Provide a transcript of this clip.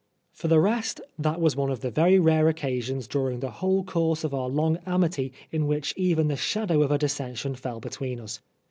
For the rest, that was one of the very rare occasions during the whole course of our long amity in which even the shadow of a dissension fell between us.